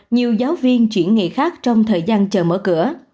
nhiều giáo viên chuyển nghề khác trong thời gian chờ mở cửa